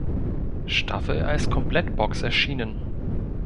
Staffel als Komplettbox erschienen.